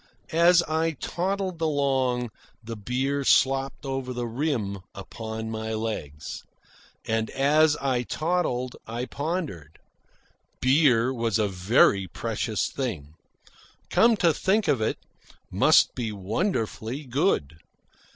As I toddled along, the beer slopped over the rim upon my legs. And as I toddled, I pondered. Beer was a very precious thing. Come to think of it, it must be wonderfully good.